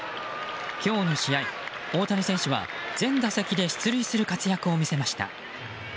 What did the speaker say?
今日の試合、大谷選手は全打席で出塁する活躍を見せました。